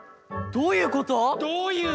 ・どういうこと？